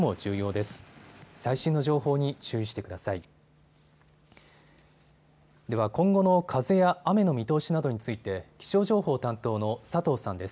では今後の風や雨の見通しなどについて気象情報担当の佐藤さんです。